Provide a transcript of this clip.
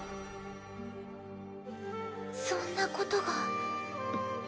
そんなことが。